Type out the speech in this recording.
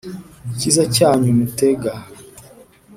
icyiza cyanyu mutega